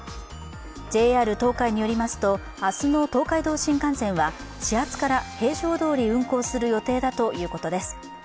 ＪＲ東海によりますと明日の東海道新幹線は始発から平常通り運行する予定だということです。